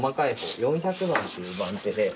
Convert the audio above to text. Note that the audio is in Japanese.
４００番っていう番手で。